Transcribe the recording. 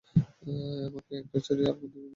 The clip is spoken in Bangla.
এমনকি একটা ছুরি আর বন্দুক নিয়েছিলাম।